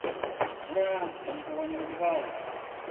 Ура, я никого не убивала!